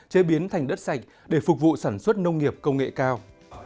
chế biến thành đất sạch để phục vụ sản xuất nông nghiệp công nghệ cao